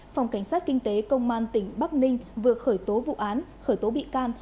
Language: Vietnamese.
phòng cảnh sát kinh tế công an tỉnh bắc ninh vừa khởi tố vụ án khởi tố bị can